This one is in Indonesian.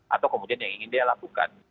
atau kemudian yang ingin dia lakukan